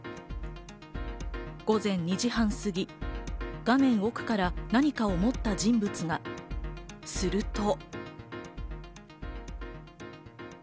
午前２時半すぎ、画面奥から何かを持った人物が、すると。